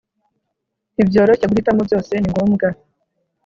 nibyoroshye. guhitamo byose ni ngombwa